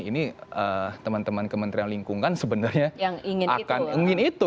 ini teman teman kementerian lingkungan sebenarnya akan ingin itu